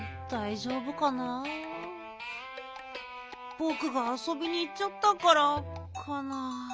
ぼくがあそびにいっちゃったからかな。